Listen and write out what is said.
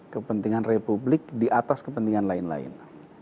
kepentingan republik di atas kepentingan lain lain